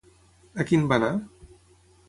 A quin va anar?